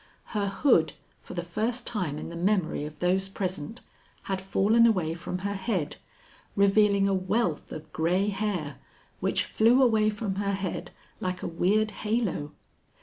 Her hood, for the first time in the memory of those present, had fallen away from her head, revealing a wealth of gray hair which flew away from her head like a weird halo.